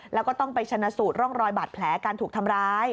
แล้วก็ต้องไปชนะสูตรร่องรอยบาดแผลการถูกทำร้าย